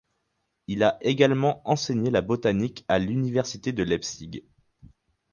Il a également enseigné la botanique à l'Université de Leipzig.